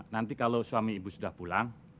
nanti kalau suami ibu sudah pulang